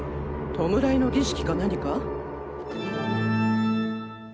弔いの儀式か何か？